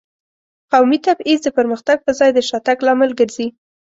قومي تبعیض د پرمختګ په ځای د شاتګ لامل ګرځي.